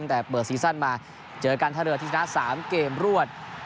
ตั้งแต่เปิดซีซั่นมาเจอกันทะเลอที่ชนะ๓เกมรวด